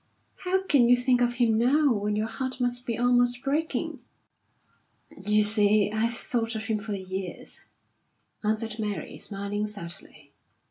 "How can you think of him now, when your heart must be almost breaking?" "You see, I've thought of him for years," answered Mary, smiling sadly.